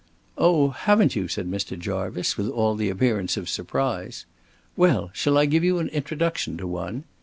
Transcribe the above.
"Oh, haven't you?" said Mr. Jarvice, with all the appearance of surprise. "Well, shall I give you an introduction to one?"